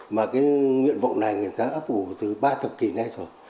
mà cái nguyện vọng này người ta ấp ủ từ ba thập kỷ nay rồi